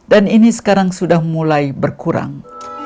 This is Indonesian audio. dan ini sekarang sudah mulai berkurang